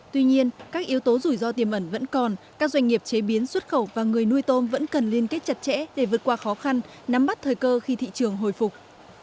tuy nhiên các yếu tố rủi ro tiềm ẩn vẫn còn các doanh nghiệp chế biến xuất khẩu và người nuôi tôm vẫn cần liên kết chặt chẽ để vượt qua khó khăn nắm bắt thời cơ khi thị trường hồi phục